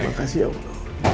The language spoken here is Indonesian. terima kasih ya allah